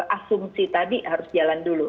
asumsi tadi harus jalan dulu